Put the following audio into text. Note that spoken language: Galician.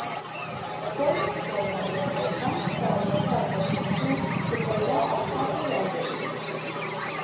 Folgos sóbranlle ao capitán para viaxar coa expedición que sairá ás catro de Alvedro.